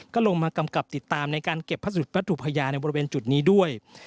ก็ลงมากำกับติดตามในการเก็บพัสดุวัตถุพญาในบริเวณจุดนี้ด้วย